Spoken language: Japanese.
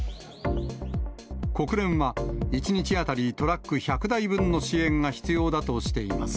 国連は、１日当たりトラック１００台分の支援が必要だとしています。